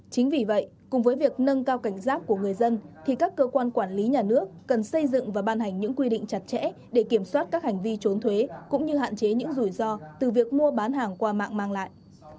chính vì vậy cùng với việc nâng cao cảnh giác của người dân thì các cơ quan quản lý nhà nước cần xây dựng và ban hành những quy định chặt chẽ để kiểm soát các hành vi trốn thuế cũng như hạn chế những rủi ro từ việc mua bán hàng qua mạng mang lại